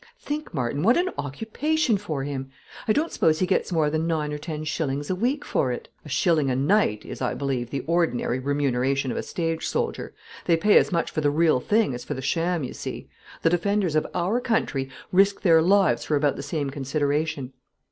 Think, Martin, what an occupation for him! I don't suppose he gets more than nine or ten shillings a week for it." "A shilling a night is, I believe, the ordinary remuneration of a stage soldier. They pay as much for the real thing as for the sham, you see; the defenders of our country risk their lives for about the same consideration.